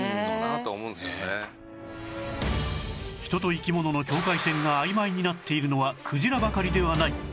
人と生き物の境界線が曖昧になっているのはクジラばかりではない